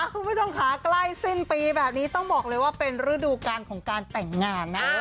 คุณผู้ชมค่ะใกล้สิ้นปีแบบนี้ต้องบอกเลยว่าเป็นฤดูการของการแต่งงานนะ